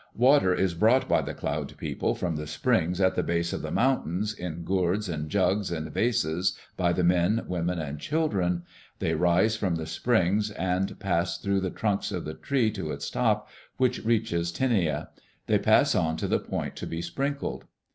Water is brought by the Cloud People, from the springs at the base of the mountains, in gourds and jugs and vases by the men, women, and children. They rise from the springs and pass through the trunk of the tree to its top, which reaches Tinia. They pass on to the point to be sprinkled.